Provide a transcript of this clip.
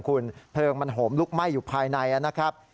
คุณเพลิงมันโหมลุกไหม้อยู่ภายในนะครับ